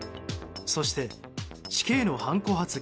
そして、死刑のハンコ発言。